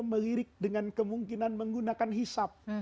melirik dengan kemungkinan menggunakan hisap